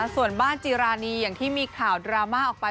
ส่วนบ้านจีรานีอย่างที่มีข่าวดราม่าออกไป